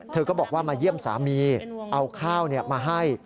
ก็บอกว่ามาเยี่ยมสามีเอาข้าวมาให้